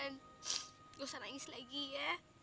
nggak usah nangis lagi ya